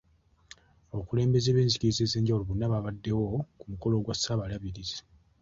Abakulembeze b'enzikiriza ez'enjawulo bonna baabaddewo ku mukolo gwa Ssaabalabirizi.